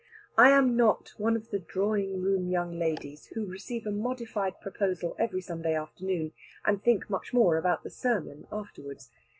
I am not one of the drawing room young ladies, who receive a modified proposal every Sunday afternoon, and think much more about the sermon afterwards.